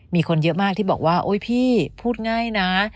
มีคนเยอะมากที่บอกว่าโอ๊ยพี่พูดง่ายนะ